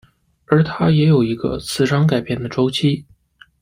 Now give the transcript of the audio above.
而它也有一个磁场改变的周期。